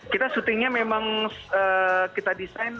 kita syutingnya memang kita desain